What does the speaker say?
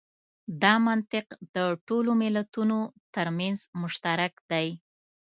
دا منطق د ټولو ملتونو تر منځ مشترک دی.